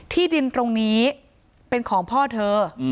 ที่ดินตรงนี้เป็นของพ่อเธอ